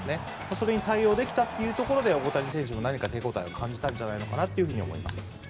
それに対応できたということで大谷選手も何か手応えを感じたのではと思います。